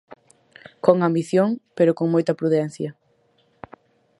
Con ambición, pero con moita prudencia.